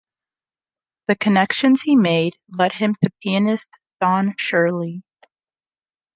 The connections he made led him to pianist Don Shirley.